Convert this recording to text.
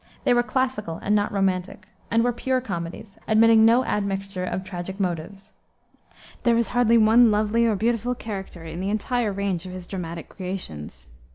They were classical and not romantic, and were pure comedies, admitting no admixture of tragic motives. There is hardly one lovely or beautiful character in the entire range of his dramatic creations.